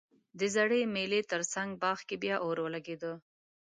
د زړې مېلې ترڅنګ باغ کې بیا اور ولګیده